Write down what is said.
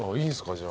じゃあ。